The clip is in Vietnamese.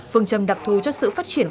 phương châm đặc thù cho sự phát triển